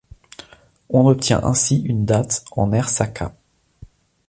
On obtient ainsi une date en ère Saka.